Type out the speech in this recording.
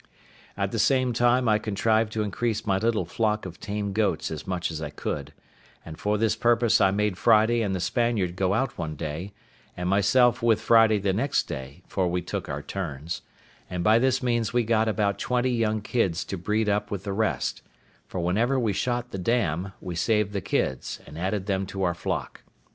At the same time I contrived to increase my little flock of tame goats as much as I could; and for this purpose I made Friday and the Spaniard go out one day, and myself with Friday the next day (for we took our turns), and by this means we got about twenty young kids to breed up with the rest; for whenever we shot the dam, we saved the kids, and added them to our flock.